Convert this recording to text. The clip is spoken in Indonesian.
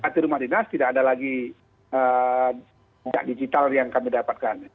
di rumah dinas tidak ada lagi digital yang kami dapatkan